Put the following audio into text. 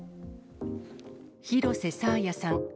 廣瀬爽彩さん。